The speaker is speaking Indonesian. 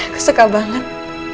aku suka banget